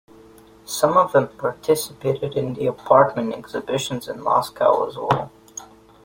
Some of them participated in the "apartment exhibitions" in Moscow as well.